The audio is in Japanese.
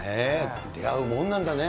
出会うもんなんだね。